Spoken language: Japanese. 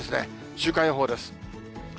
週間予報です。